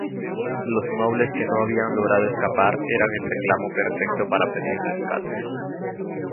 Los nobles que no habían logrado escapar eran el reclamo perfecto para pedir rescates.